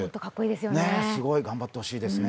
すごい頑張ってほしいですね。